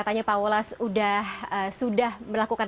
mencari solusi dari permasalahan